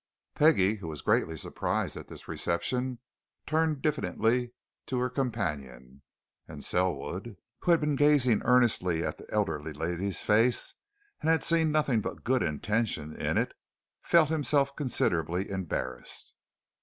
Peggie, who was greatly surprised at this reception, turned diffidently to her companion. And Selwood, who had been gazing earnestly at the elderly lady's face, and had seen nothing but good intention in it, felt himself considerably embarrassed.